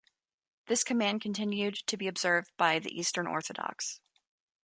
This command continued to be observed by the Eastern Orthodox.